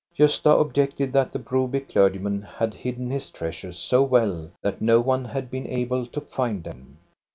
Gosta objected that the Broby clergyman had hidden his treasures so well that no one had been able to find them.